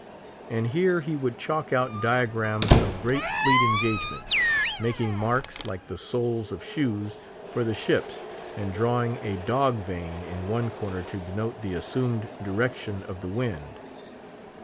And here he would chalk out diagrams of great fleet engagements; making marks, like the soles of shoes, for the ships, and drawing a dog vane in one corner to denote the assumed direction of the wind.